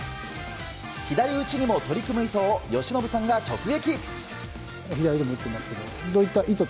左打ちにも取り組む意図を由伸さんが直撃。